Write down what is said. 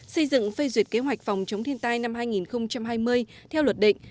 xây dựng phê duyệt kế hoạch phòng chống thiên tai năm hai nghìn hai mươi theo luật định